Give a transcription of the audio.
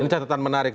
ini catatan menarik